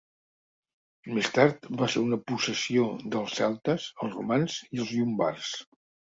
Més tard va ser una possessió dels celtes, els romans i els llombards.